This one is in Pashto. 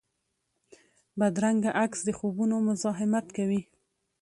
بدرنګه عکس د خوبونو مزاحمت کوي